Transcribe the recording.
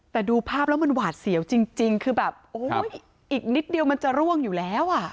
แต่ดูภาพแล้วมันหวาดเสียวจริงคือแบบโอ้ยอีกนิดเดียวมันจะร่วงอยู่แล้วอ่ะ